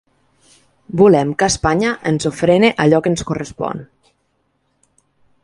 Volem que Espanya ens ofrene allò que ens correspon.